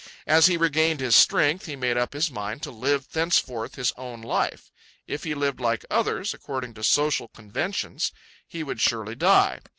As he regained his strength he made up his mind to live thenceforth his own life. If he lived like others, according to social conventions, he would surely die.